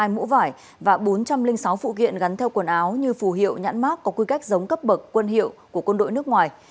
hai mũ vải và bốn trăm linh sáu phụ kiện gắn theo quần áo như phù hiệu nhãn mát có quy cách giống cấp bậc quân hiệu của quân đội nước ngoài